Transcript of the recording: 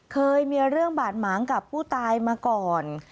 เคยมีเรื่องบาดหมางกับผู้ตายมาก่อน